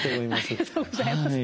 ありがとうございます。